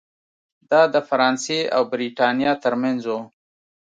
دا د فرانسې او برېټانیا ترمنځ و.